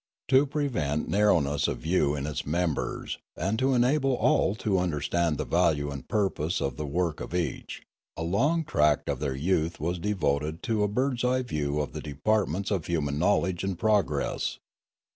To prevent narrowness of view in its members, and to enable all to understand the value and purpose of the work of each, a long tract of their youth was devoted to a bird's eye view of the departments of human knowledge and pro gress.